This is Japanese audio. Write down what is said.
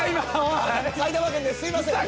すいません